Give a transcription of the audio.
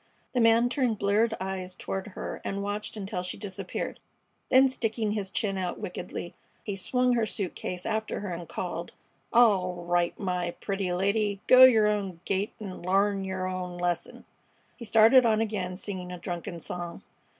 The man turned bleared eyes toward her and watched until she disappeared. Then sticking his chin out wickedly, he slung her suit case after her and called: "All right, my pretty lady; go yer own gait an' l'arn yer own lesson." He started on again, singing a drunken song.